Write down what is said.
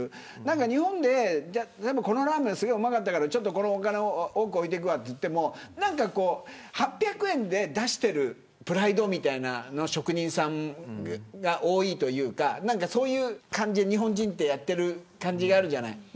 日本で、このラーメンうまかったからお金多く置いてくわと言っても８００円で出しているプライドみたいな職人さんが多いというかそういう感じで日本人ってやってる感じあるじゃない。